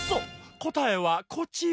こたえはこちら！